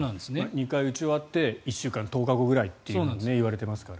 ２回打ち終わって１週間、１０日後ぐらいって言われてますからね。